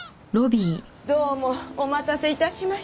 どうもお待たせいたしました。